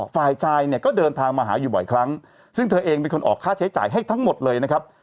ฝ่ายชายเนี่ยก็เดินทางมาหาอยู่บ่อยครั้งซึ่งเธอเองเป็นคนออกค่าใช้จ่ายให้ทั้งหมดเลยนะครับ